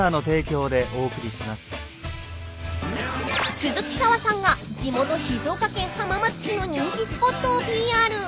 ［鈴木砂羽さんが地元静岡県浜松市の人気スポットをＰＲ］